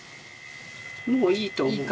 もういいと思う。